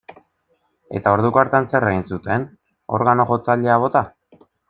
Eta orduko hartan zer egin zuten, organo-jotzailea bota?